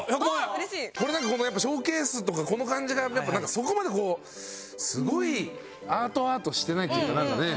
これなんかこのやっぱショーケースとかこの感じがやっぱなんかそこまでこうすごいアートアートしてないっていうかなんかねえ。